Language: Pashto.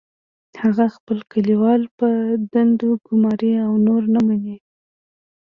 هغه خپل کلیوال په دندو ګماري او نور نه مني